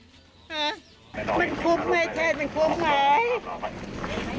ฮะมันคุ้มไหมเทศมันคุ้มไหม